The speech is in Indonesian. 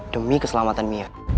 demi keselamatan mia